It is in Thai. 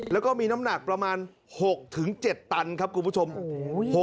แล้วก็มีน้ำหนักประมาณ๖๗ตันครับคุณผู้ชมโอ้โห